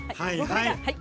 はいはい。